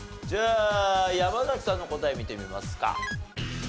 じゃあ山崎さんの答え見てみますか。